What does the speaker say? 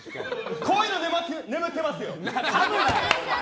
こういうのがねな眠ってますよ！